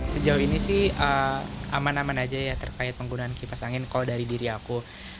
sejauh ini sih aman aman aja ya terkait penggunaan kipas angin kalau dari diri aku